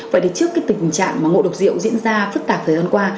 vậy thì trước cái tình trạng mà ngộ độc rượu diễn ra phức tạp thời gian qua